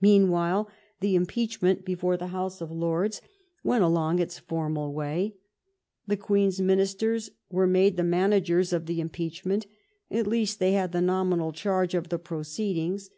Meanwhile the impeachment before the House of Lords went along its formal way. The Queen's min isters were made the managers of the impeachment, at least they had the nominal charge of the proceed ings.